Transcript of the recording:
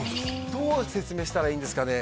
どう説明したらいいんですかね